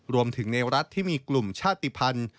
รวมถึงในรัฐที่มีกลุ่มชาติภัณฑ์